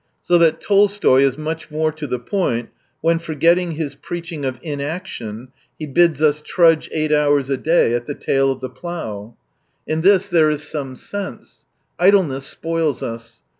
So that Tolstoy is much more to the point when, forgetting his preaching of inaction, he bids us trudge eight hours a day at the tail of the plough. In this there is some 20 sense. Idleness spoils us.